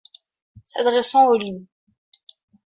S’adressant au lit.